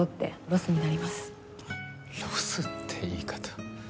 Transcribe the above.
ロスって言い方。